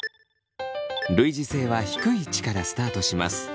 類似性は低い位置からスタートします。